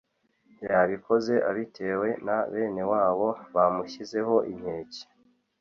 yabikoze abitewe na bene wabo bamushyizeho inkeke